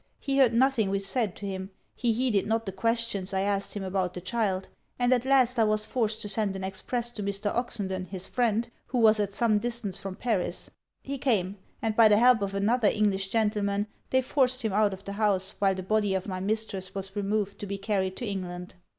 He heard nothing we said to him; he heeded not the questions I asked him about the child; and at last I was forced to send an express to Mr. Oxenden, his friend, who was at some distance from Paris. He came; and by the help of another English gentleman they forced him out of the house while the body of my mistress was removed to be carried to England.